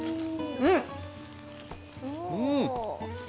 うん！